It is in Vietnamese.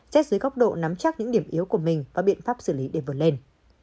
xét dưới góc độ nắm chắc những điểm yếu của mình và biện pháp xử lý để vượt lên